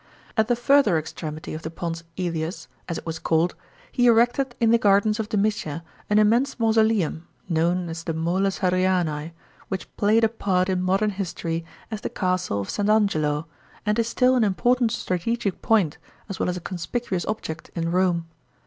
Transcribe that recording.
At the further extremity of the POMS JSlius, as it was called, he erected in the gardens of Domitia an immense mausoleum, known as the Moles Hadriani, which played a part in modern history as the castle of St. Angelo, and is still an important strategic point as well as a conspicuous object in Rome.